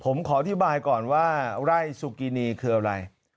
ผมขออธิบายก่อนว่าไร่สุกินีคืออะไร